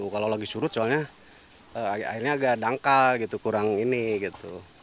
kalau lagi surut soalnya airnya agak dangkal kurang ini gitu